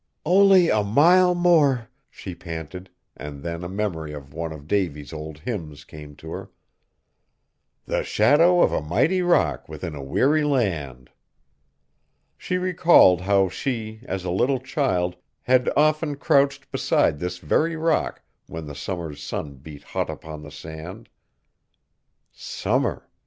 "Only a mile more!" she panted, and then a memory of one of Davy's old hymns came to her: "The shadow of a mighty rock within a weary land." She recalled how she, as a little child, had often crouched beside this very rock when the summer's sun beat hot upon the sand. Summer!